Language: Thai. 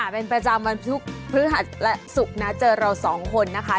เป็นประจำวันทุกพฤหัสและศุกร์นะเจอเราสองคนนะคะ